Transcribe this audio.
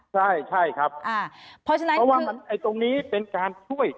ใช่ครับเพราะไว้ตรงนี้เป็นการช่วย